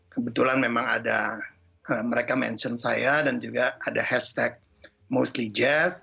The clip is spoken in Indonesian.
kebetulan memang ada mereka mention saya dan juga ada hashtag mostly jazz